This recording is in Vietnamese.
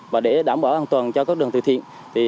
và để đảm bảo an toàn cho các đoàn thực thiện